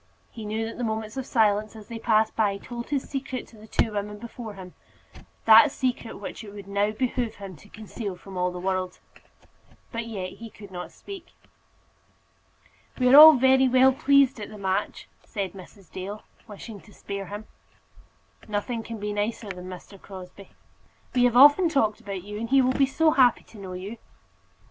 He knew that the moments of silence as they passed by told his secret to the two women before him, that secret which it would now behove him to conceal from all the world. But yet he could not speak. "We are all very well pleased at the match," said Mrs. Dale, wishing to spare him. "Nothing can be nicer than Mr. Crosbie," said Bell. "We have often talked about you, and he will be so happy to know you."